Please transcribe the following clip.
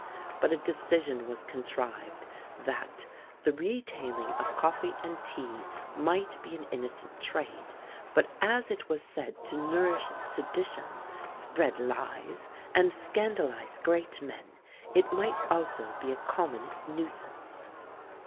But a decision was contrived that "the retailing of coffee and tea might be an innocent trade; but as it was said to nourish sedition, spread lies, and scandalise great men, it might also be a common nuisance."